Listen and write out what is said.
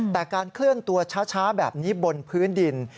แต่การเคลื่อนตัวช้าแบบนี้บนพื้นดิน